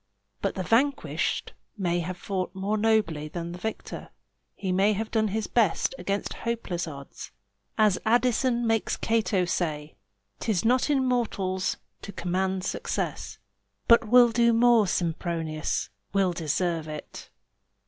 But the vanquished may have fought more nobly than the victor; he may have done his best against hopeless odds. As Addison makes Cato say, "'Tis not in mortals to command success, But we'll do more, Sempronius, we'll deserve it."